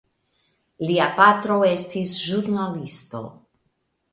Lia patro estis ĵurnalisto.